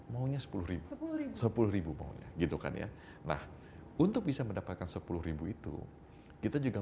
maunya sepuluh ribu sepuluh maunya gitu kan ya nah untuk bisa mendapatkan sepuluh itu kita juga